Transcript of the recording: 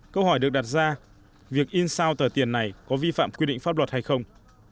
câu hỏi được đặt ra việc in sao tờ tiền này có vi phạm quy định pháp luật hay không